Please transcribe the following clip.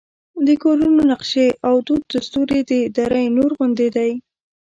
د کورونو نقشې او دود دستور یې د دره نور غوندې دی.